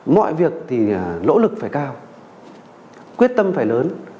mọi việc thì nỗ lực phải cao quyết tâm phải lớn